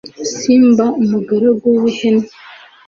simba umugaragu wi hene